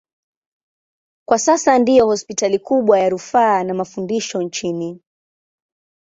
Kwa sasa ndiyo hospitali kubwa ya rufaa na mafundisho nchini.